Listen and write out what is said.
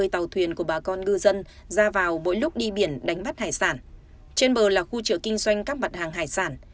để kinh doanh các mặt hàng hải sản